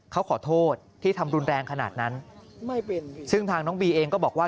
เขาขอโทษที่ทำรุนแรงขนาดนั้นซึ่งทางน้องบีเองก็บอกว่า